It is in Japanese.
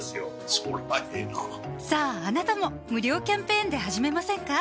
そりゃええなさぁあなたも無料キャンペーンで始めませんか？